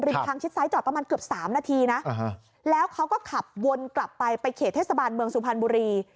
ทางชิดซ้ายจอดประมาณเกือบ๓นาทีนะแล้วเขาก็ขับวนกลับไปไปเขตเทศบาลเมืองสุพรรณบุรี